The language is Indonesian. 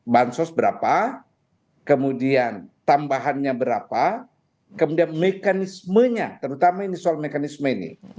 bansos berapa kemudian tambahannya berapa kemudian mekanismenya terutama ini soal mekanisme ini